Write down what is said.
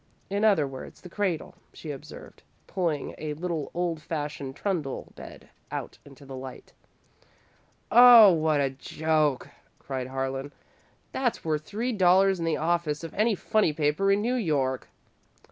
"In other words, the cradle," she observed, pulling a little old fashioned trundle bed out into the light. "Oh, what a joke!" cried Harlan. "That's worth three dollars in the office of any funny paper in New York!"